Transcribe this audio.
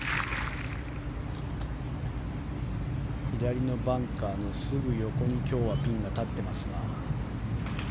左のバンカーのすぐ横に今日はピンが立っていますが。